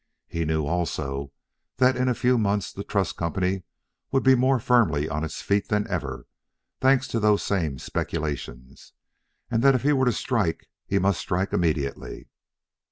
He knew, also, that in a few months the Trust Company would be more firmly on its feet than ever, thanks to those same speculations, and that if he were to strike he must strike immediately.